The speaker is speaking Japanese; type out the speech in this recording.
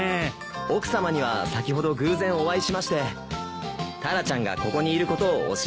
奥さまには先ほど偶然お会いしましてタラちゃんがここにいることを教えていただいたんです。